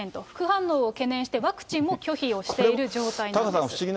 副反応を懸念してワクチンも拒否をしている状態なんです。